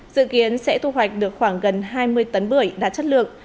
dự kiến sẽ thu hoạch được khoảng gần hai mươi tấn bưởi đạt chất lượng